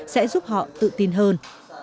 sẽ giúp họ tự tin hơn